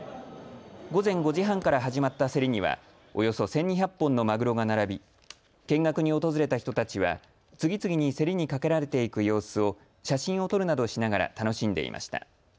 午前５時半から始まった競りにはおよそ１２００本のマグロが並び見学に訪れた人たちは次々に競りにかけられていく様子を写真を撮るなどしながら楽しんでいました。